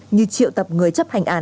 như triệu tập người chấp hành án